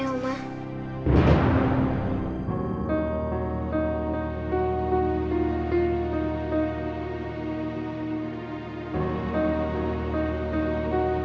aku akan sampai di sini